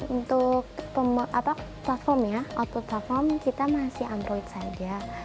untuk platformnya kita masih android saja